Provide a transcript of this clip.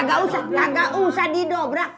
gak usah didobrak